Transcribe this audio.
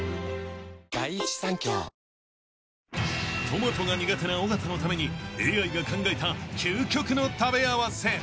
［トマトが苦手な尾形のためにＡＩが考えた究極の食べ合わせ］